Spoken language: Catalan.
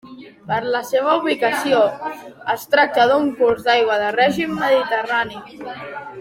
Per la seva ubicació, es tracta d'un curs d'aigua de règim mediterrani.